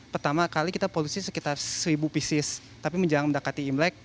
pertama kali kita polusi sekitar seribu pieces tapi menjelang mendekati imlek